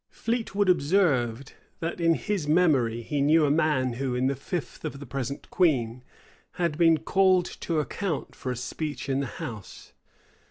[] Fleetwood observed, that in his memory, he knew a man who, in the fifth of the present queen, had been called to account for a speech in the house.